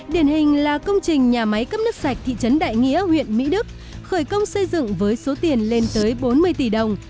điển hình là công trình nhà máy cấp nước sạch thị trấn đại nghĩa huyện mỹ đức khởi công xây dựng với số tiền lên tới bốn mươi tỷ đồng